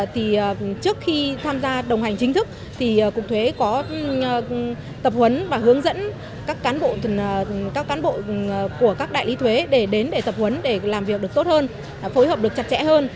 thì trước khi tham gia đồng hành chính thức thì cục thuế có tập huấn và hướng dẫn các cán bộ của các đại lý thuế để đến để tập huấn để làm việc được tốt hơn phối hợp được chặt chẽ hơn